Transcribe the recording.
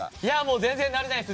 全然慣れないです。